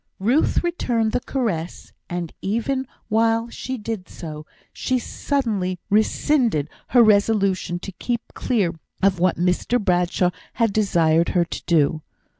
Ruth returned the caress; and even while she did so, she suddenly rescinded her resolution to keep clear of what Mr Bradshaw had desired her to do.